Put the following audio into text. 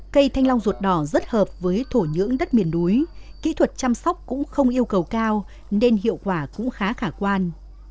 cây thanh long ruột đỏ nhưỡng đất miền núi kỹ thuật chăm sóc cũng không yêu cầu cao nên hiệu quả cũng khá khả quan